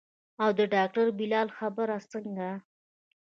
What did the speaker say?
او د ډاکتر بلال خبره څنګه.